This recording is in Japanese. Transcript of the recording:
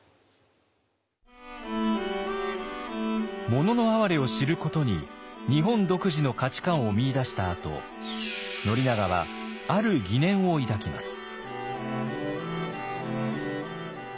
「もののあはれ」を知ることに日本独自の価値観を見いだしたあと宣長はある疑念を抱きます。